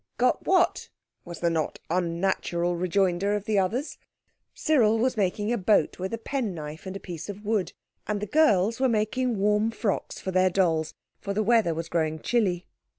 "Got what?" was the not unnatural rejoinder of the others. Cyril was making a boat with a penknife and a piece of wood, and the girls were making warm frocks for their dolls, for the weather was growing chilly.